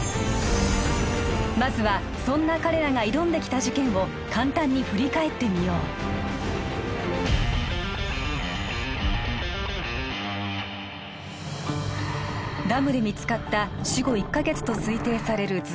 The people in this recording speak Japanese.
まずはそんな彼らが挑んできた事件を簡単に振り返ってみようダムで見つかった死後１か月と推定される